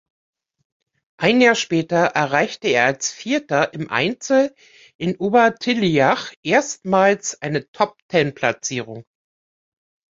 Ein Jahr später erreichte er als Vierter im Einzel in Obertilliach erstmals eine Top-Ten-Platzierung.